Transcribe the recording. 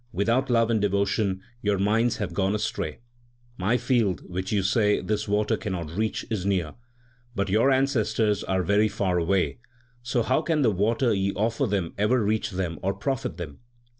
Without love and devotion your minds have gone astray. My field, which you say this water cannot reach, is near, but your ancestors are very far away, so how can the water ye offer them ever reach them or profit them